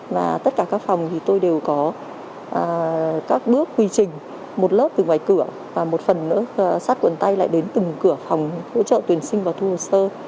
và tất cả các phòng thì tôi đều có các bước quy trình một lớp từ ngoài cửa và một phần nữa sát quần tay lại đến từng cửa phòng hỗ trợ tuyển sinh và thu hồ sơ